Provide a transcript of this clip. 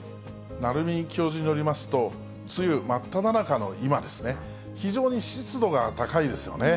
鳴海教授によりますと、梅雨真っただ中の今ですね、非常に湿度が高いですよね。